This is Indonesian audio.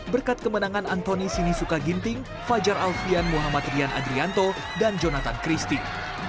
berkat kemenangan antoni sinisuka ginting fajar alfian muhammad rian adrianto dan jonathan christie